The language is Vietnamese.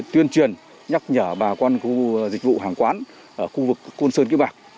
tuyên truyền nhắc nhở bà con khu dịch vụ hàng quán ở khu vực côn sơn kiếp bạc